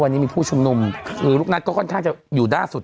วันนี้มีผู้ชุมนุมหรือลูกนัทก็ค่อนข้างจะอยู่ด้านสุด